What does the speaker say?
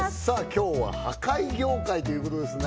今日は破壊業界ということですね